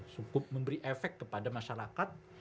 cukup memberi efek kepada masyarakat